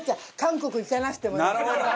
なるほど！